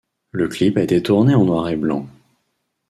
Le clip a été tourné en noir et blanc.